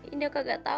ini kan udine